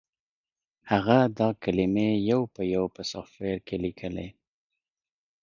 هغه دا کلمې یو په یو په سافټویر کې لیکلې